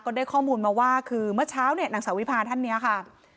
ได้ข้อมูลมาว่าคือเมื่อเช้าเนี่ยนางสาววิพาท่านนี้ค่ะ